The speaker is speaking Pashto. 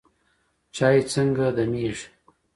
چای څنګه دمیږي؟